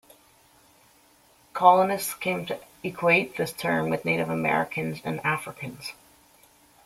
Colonists came to equate this term with Native Americans and Africans.